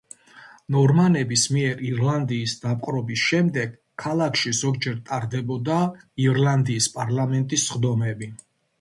ნორმანების მიერ ირლანდიის დაპყრობის შემდეგ ქალაქში ზოგჯერ ტარდებოდა ირლანდიის პარლამენტის სხდომები.